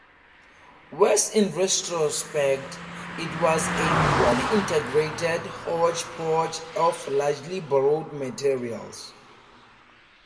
Worse in retrospect, it was a poorly integrated hodgepodge of largely borrowed materials.